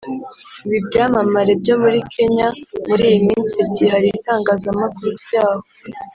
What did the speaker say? Ibi byamamare byo muri Kenya muri iyi minsi byihariye itangazamakuru ryaho